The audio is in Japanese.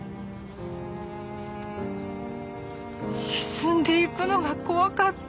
沈んでいくのが怖かった。